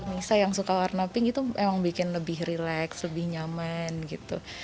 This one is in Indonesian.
nisa yang suka warna pink itu memang bikin lebih relax lebih nyaman gitu